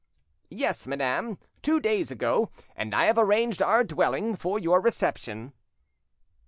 "Yes, madame, two days ago; and I have arranged our dwelling for your reception."